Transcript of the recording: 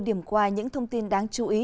điểm qua những thông tin đáng chú ý